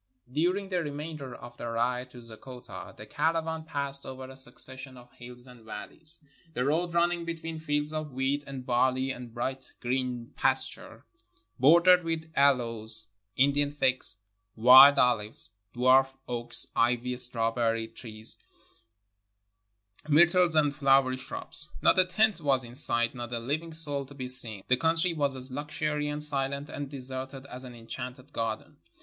During the remainder of the ride to Zeggota the cara van passed over a succession of hills and valleys, the road running between fields of wheat and barley and bright green pasture, bordered with aloes, Indian figs, wild olives, dwarf oaks, ivy, strawberry trees, myrtles, and flowering shrubs. Not a tent was in sight, not a living soul to be seen. The country was as luxuriant, silent, and deserted as an enchanted garden.